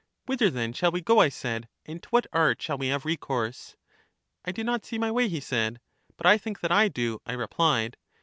Whither then shall we go, I said, and to what art shall we have recourse? I do not see my way, he said. But I think that I do, I replied.